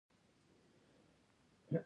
او بل ځای د خپل کتاب ذکر کوي.